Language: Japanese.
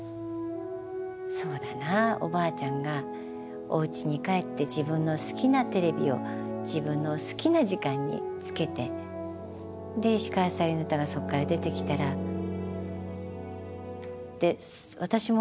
そうだなおばあちゃんがおうちに帰って自分の好きなテレビを自分の好きな時間につけてで石川さゆりの歌がそこから出てきたらって私も思ったんです。